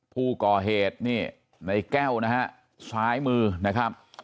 ผู้ก่อเหตุนี่ในแก้วนะฮะซ้ายมือนะครับ